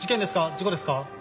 事故ですか？